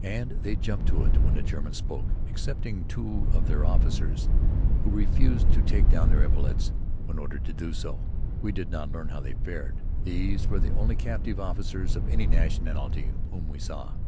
And they jumped to it when a German spoke excepting two of their officers, who refused to take down their epaulets when ordered to do so. We did not learn how they fared. These were the only captive officers of any nationality whom we saw.